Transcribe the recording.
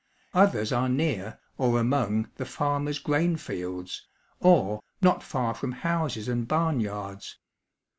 Others are near, or among, the farmers' grain fields, or, not far from houses and barn yards.